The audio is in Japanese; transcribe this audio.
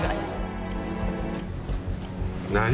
何？